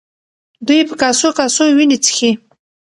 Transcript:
دوی په کاسو کاسو وینې څښي.